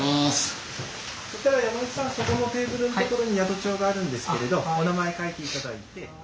そしたら山口さんそこのテーブルの所に宿帳があるんですけれどお名前書いて頂いて。